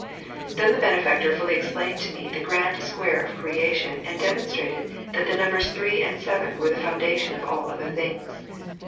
Then the Benefactor fully explained to me the grand Square of Creation and demonstrate<l that the numbers three and seven were tlie foundation of all other things.